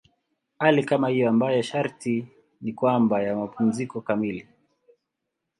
Hali kama hiyo ambayo sharti ni kwamba ya mapumziko kamili.